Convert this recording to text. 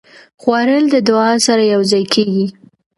خوړل د دعا سره یوځای کېږي